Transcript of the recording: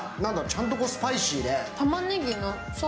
ちゃんとスパイシーで。